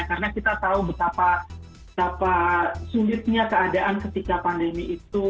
karena kita tahu betapa sulitnya keadaan ketika pandemi itu